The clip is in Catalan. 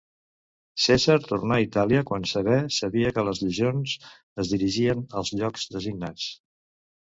Cèsar tornà a Itàlia quan sabé sabia que les legions es dirigien als llocs designats.